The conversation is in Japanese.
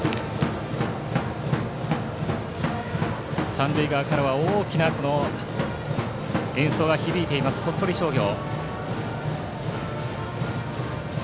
三塁側からは大きな演奏が響いています鳥取商業。